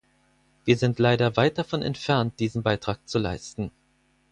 Wir sind leider weit davon entfernt, diesen Beitrag zu leisten.